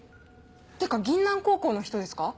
てか銀杏高校の人ですか？